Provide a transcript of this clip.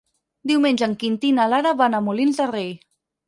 Diumenge en Quintí i na Lara van a Molins de Rei.